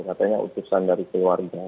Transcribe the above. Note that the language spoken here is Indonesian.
katanya utusan dari keluarga